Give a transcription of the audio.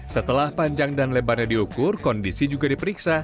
setelah panjang dan lebarnya diukur kondisi juga diperiksa